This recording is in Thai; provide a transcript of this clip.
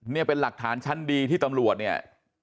นี่เป็นหลักฐานชั้นดีที่ตำรวจเนี่ย